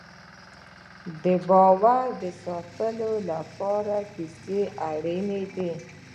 د باور د ساتلو لپاره کیسې اړینې دي.